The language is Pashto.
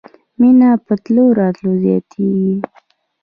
مېنه په تلو راتلو زياتېږي.